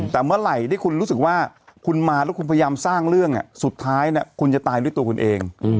แต่เมื่อไหร่ที่คุณรู้สึกว่าคุณมาแล้วคุณพยายามสร้างเรื่องสุดท้ายคุณจะตายด้วยตัวคุณเอง